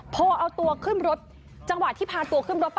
พอเอาตัวขึ้นรถจังหวะที่พาตัวขึ้นรถไป